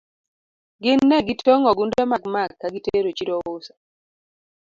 Gin ne gitong'o ogunde mag maka gitero chiro uso.